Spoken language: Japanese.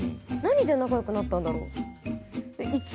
なんで仲よくなったんだろう。